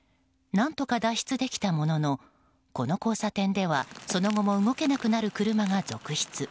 何とか脱出できたもののこの交差点ではその後も動けなくなる車が続出。